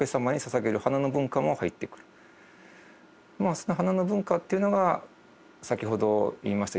その花の文化というのが先ほど言いました